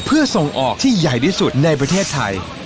เพื่อส่งออกที่ใหญ่ที่สุดในประเทศไทย